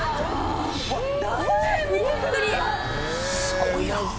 すごいな。